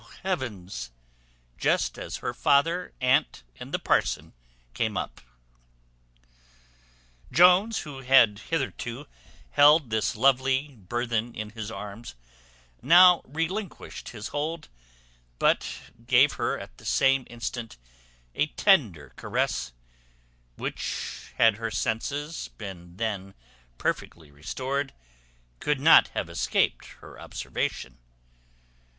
heavens!" just as her father, aunt, and the parson came up. Jones, who had hitherto held this lovely burthen in his arms, now relinquished his hold; but gave her at the same instant a tender caress, which, had her senses been then perfectly restored, could not have escaped her observation.